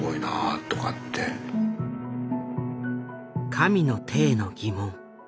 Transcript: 神の手への疑問。